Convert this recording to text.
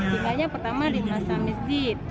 tinggalnya pertama di masjid